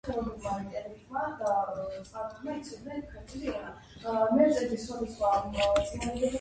აქვს ნახევარწრიული აფსიდა ვიწრო სარკმლით.